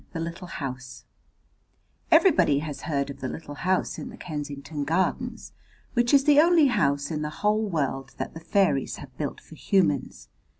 The Little House Everybody has heard of the Little House in the Kensington Gardens, which is the only house in the whole world that the fairies have built for humans.